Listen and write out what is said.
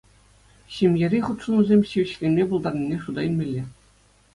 Ҫемьери хутшӑнусем ҫивӗчленме пултарнине шута илмелле.